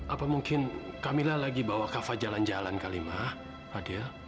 apa mungkin kamila lagi bawa kava jalan jalan kali ma fadil